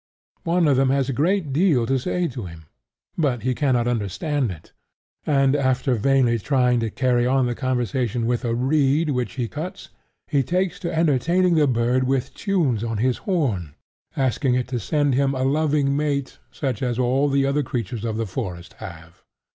One of them has a great deal to say to him; but he cannot understand it; and after vainly trying to carry on the conversation with a reed which he cuts, he takes to entertaining the bird with tunes on his horn, asking it to send him a loving mate such as all the other creatures of the forest have.